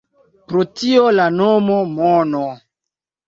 Pro tio la nomo “Mono”.